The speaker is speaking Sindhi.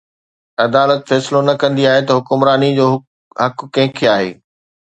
عدالت فيصلو نه ڪندي آهي ته حڪمراني جو حق ڪنهن کي آهي.